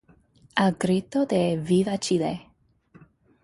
Al grito de ¡Viva Chile!